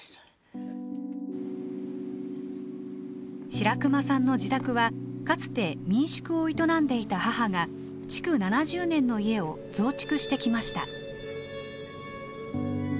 白熊さんの自宅はかつて民宿を営んでいた母が築７０年の家を増築してきました。